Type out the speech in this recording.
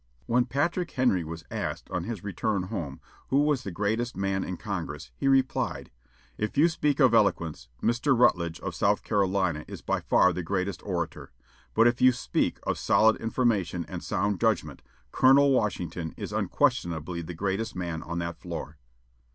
When Patrick Henry was asked, on his return home, who was the greatest man in Congress, he replied: "If you speak of eloquence, Mr. Rutledge of South Carolina is by far the greatest orator; but if you speak of solid information and sound judgment, Colonel Washington is unquestionably the greatest man on that floor."